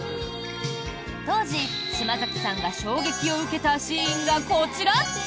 当時、島崎さんが衝撃を受けたシーンがこちら。